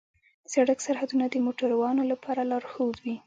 د سړک سرحدونه د موټروانو لپاره لارښود وي.